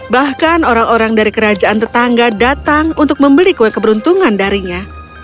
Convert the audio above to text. bahkan orang orang dari kerajaan tetangga datang untuk membeli kue keberuntungan darinya